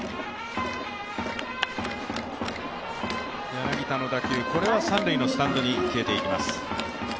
柳田の打球、これは三塁のスタンドに消えていきます。